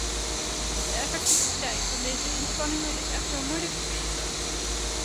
De effectiviteit van deze inspanningen is echter moeilijk te meten.